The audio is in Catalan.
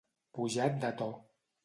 Pujat de to.